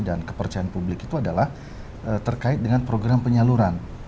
dan kepercayaan publik itu adalah terkait dengan program penyaluran